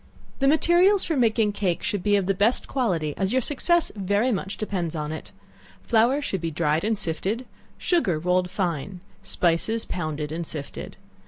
The materials for making cake should be of the best quality, as your success very much depends on it. Flour should be dried and sifted, sugar rolled fine, spices pounded and sifted.